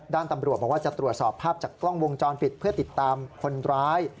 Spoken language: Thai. ด้านตำรวจบอกว่าจะตรวจสอบภาพจากกล้องวงจรปิดเพื่อติดตามคนร้าย